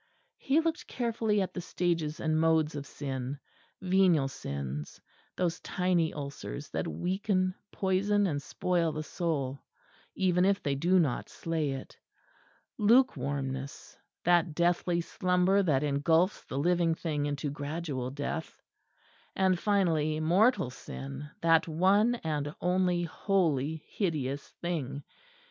He looked carefully at the stages and modes of sin venial sins, those tiny ulcers that weaken, poison and spoil the soul, even if they do not slay it lukewarmness, that deathly slumber that engulfs the living thing into gradual death and, finally, mortal sin, that one and only wholly hideous thing.